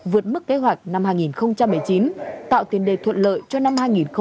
vượt mức kế hoạch năm hai nghìn một mươi chín tạo tiền đề thuận lợi cho năm hai nghìn hai mươi